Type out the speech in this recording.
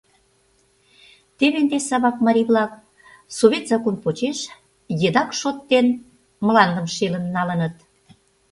Теве ынде Савак марий-влак совет закон почеш едак шот дене мландым шелын налыныт.